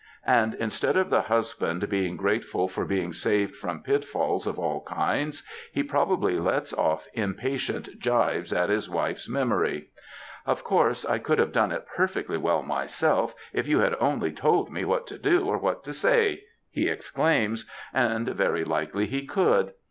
And instead of the husband being grateful for being saved from pitfalls of all kinds, he probably lets off impatient gibes at his wife's memory. Of course I could have done it perfectly well myself if you had only told me what to do, or what to say," he exclaims, and very likely he could.